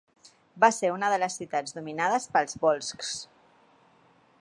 Va ser una de les ciutats dominades pels volscs.